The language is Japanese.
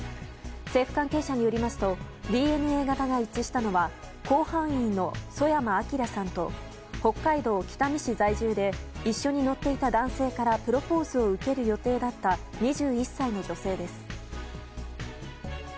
政府関係者によりますとＤＮＡ型が一致したのは甲板員の曽山聖さんと北海道北見市在住で一緒に乗っていた男性からプロポーズを受ける予定だった２１歳の女性です。